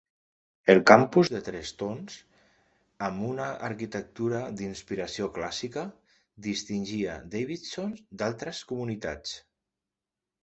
El campus de tres tons, amb una arquitectura d'inspiració clàssica, distingia Davidson d'altres comunitats.